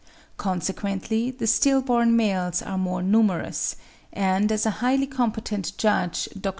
Consequently the still born males are more numerous; and, as a highly competent judge, Dr. Crichton Browne (52.